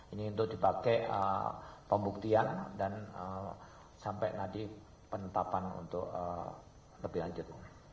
ini untuk dipakai pembuktian dan sampai nanti penetapan untuk lebih lanjut